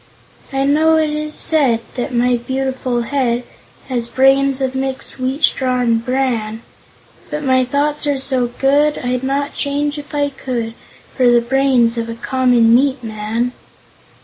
"I know it is said That my beautiful head Has brains of mixed wheat straw and bran, But my thoughts are so good I'd not change, if I could, For the brains of a common meat man.